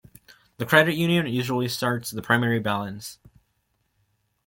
The credit union usually starts the primary balance.